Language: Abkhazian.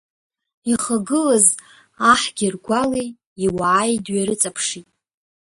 Ихагылаз аҳ Гьыргәали иуааи дҩарыҵаԥшит.